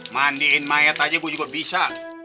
mandiin mayat aja bu juga bisa